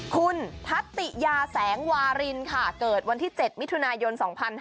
คุณทัศติยาแสงวารินค่ะเกิดวันที่๗มิถุนายน๒๕๕๙